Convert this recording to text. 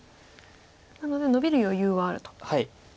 なのでノビる余裕はあると。